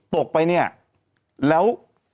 ตกไปเนี่ยแล้ว